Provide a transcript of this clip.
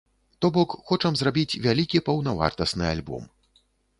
То бок, хочам зрабіць вялікі паўнавартасны альбом.